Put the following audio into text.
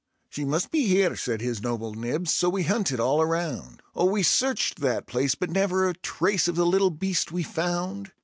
"She must be here," said his Noble Nibbs, so we hunted all around; Oh, we searched that place, but never a trace of the little beast we found.